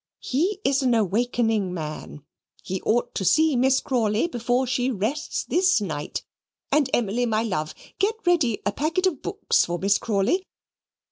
He is an awakening man; he ought to see Miss Crawley before she rests this night. And Emily, my love, get ready a packet of books for Miss Crawley.